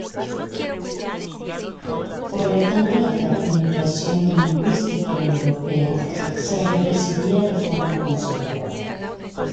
Por lo tanto, la fragmentación lingüística europea se reduciría de forma considerable.